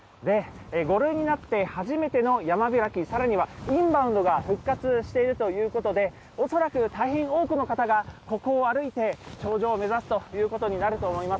５類になって初めての山開き、さらにはインバウンドが復活しているということで、恐らく大変多くの方がここを歩いて頂上を目指すということになると思います。